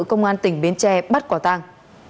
công an tỉnh bến tre bắt quả tang